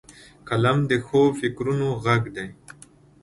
قلم د ښو فکرونو غږ دی